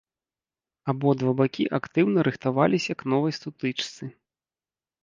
Абодва бакі актыўна рыхтаваліся к новай сутычцы.